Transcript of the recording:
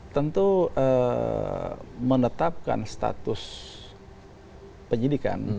tentu menetapkan status penyelidikan